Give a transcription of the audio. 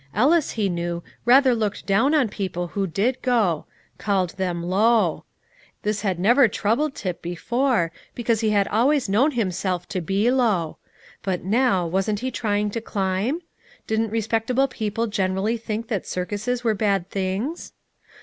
Ellis, he knew, rather looked down on people who did go, called them low. This had never troubled Tip before, because he had always known himself to be low; but now, wasn't he trying to climb? Didn't respectable people generally think that circuses were bad things?